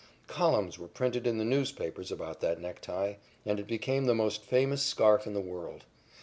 Columns were printed in the newspapers about that necktie, and it became the most famous scarf in the world.